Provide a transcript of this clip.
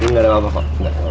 ini gak ada apa apa kok